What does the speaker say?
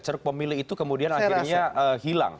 ceruk pemilih itu kemudian akhirnya hilang